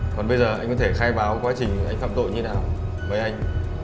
còn bây giờ anh có thể khai báo quá trình anh phạm tội như thế nào với anh